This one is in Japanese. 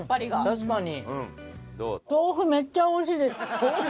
確かに。